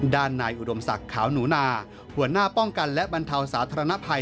ด้านนายอุดมศักดิ์ขาวหนูนาหัวหน้าป้องกันและบรรเทาสาธารณภัย